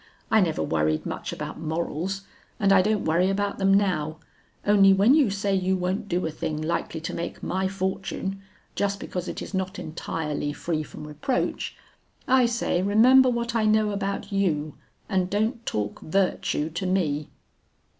I never worried much about morals, and I don't worry about them now, only when you say you won't do a thing likely to make my fortune, just because it is not entirely free from reproach, I say, remember what I know about you, and don't talk virtue to me.'